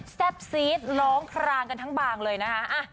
ซีดร้องคลางกันทั้งบางเลยนะคะ